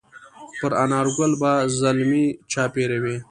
پر انارګل به زلمي چاپېروي